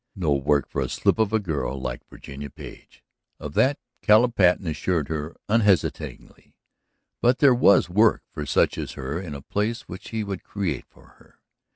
No work for a slip of a girl like Virginia Page. Of that Caleb Patten assured her unhesitatingly. But there was work for such as her and in a place which he would create for her.